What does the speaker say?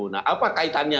nah apa kaitannya